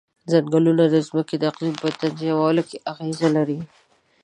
ځنګلونه د ځمکې د اقلیم په تنظیمولو کې اغیز لري.